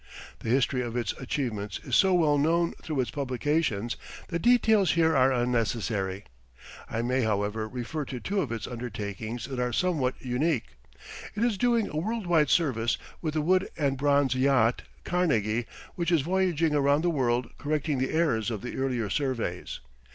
The history of its achievements is so well known through its publications that details here are unnecessary. I may, however, refer to two of its undertakings that are somewhat unique. It is doing a world wide service with the wood and bronze yacht, "Carnegie," which is voyaging around the world correcting the errors of the earlier surveys.